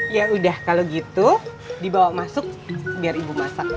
ya udah kalau gitu dibawa masuk biar ibu masak